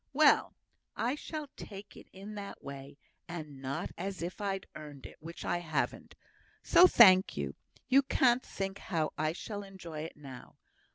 "Well! I shall take it in that way, and not as if I'd earned it, which I haven't. So thank you. You can't think how I shall enjoy it now.